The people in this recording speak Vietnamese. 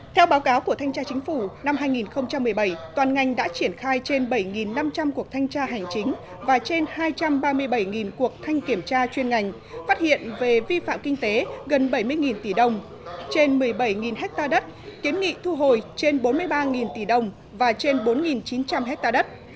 theo báo cáo của thanh tra chính phủ năm hai nghìn một mươi bảy toàn ngành đã triển khai trên bảy năm trăm linh cuộc thanh tra hành chính và trên hai trăm ba mươi bảy cuộc thanh kiểm tra chuyên ngành phát hiện về vi phạm kinh tế gần bảy mươi tỷ đồng trên một mươi bảy ha đất kiến nghị thu hồi trên bốn mươi ba tỷ đồng và trên bốn chín trăm linh hectare đất